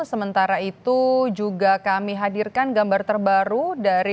sementara itu juga kami hadirkan gambar terbaru dari